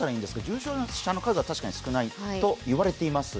重症者の数は確かに少ないと言われています。